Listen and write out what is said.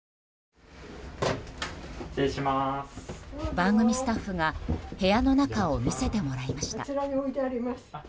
番組スタッフが部屋の中を見せてもらいました。